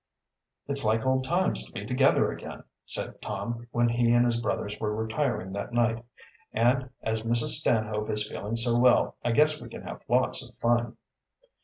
"It's like old times to be together again," said Tom, when he and his brothers were retiring that night. "And, as Mrs. Stanhope is feeling so well, I guess we can have lots of fun."